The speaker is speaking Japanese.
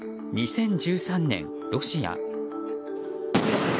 ２０１３年、ロシア。